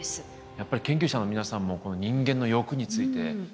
やっぱり研究者の皆さんも人間の欲について知りたいと。